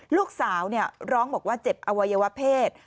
ลูกสาวร้องบอกว่าเจ็บอวัยวะเพศ